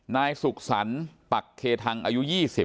นายสุขสรรคักเคทังอายุ๒๐